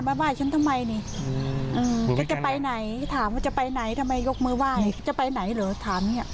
เราเราก็มีความรู้สึกเบ๊บจะไปไหนไม่เจอหรือยังไงอะไรประมาณนี้ค่ะ